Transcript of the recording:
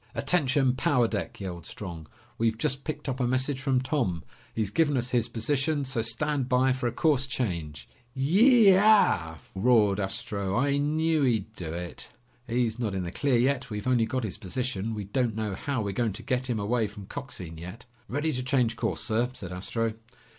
"Attention, power deck!" yelled Strong. "We've just picked up a message from Tom. He's given us his position, so stand by for a course change." "Yeee eooow!" roared Astro. "I knew he'd do it." "He's not in the clear yet. We've only got his position. We don't know how we're going to get him away from Coxine yet." "Ready to change course, sir," said Astro.